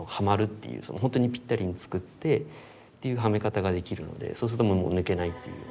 ほんとにぴったりに作ってっていうはめ方ができるのでそうするともう抜けないっていう。